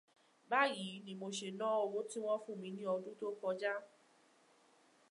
Báyìí ni mo ṣe ná owó tí wọ́n fún mi ni ọdún tó kọjá